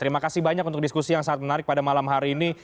terima kasih banyak untuk diskusi yang sangat menarik pada malam hari ini